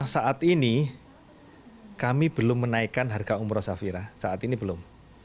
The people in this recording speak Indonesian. saat ini kami belum menaikkan harga umroh safira saat ini belum